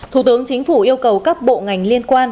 thủ tướng chính phủ yêu cầu các bộ ngành liên quan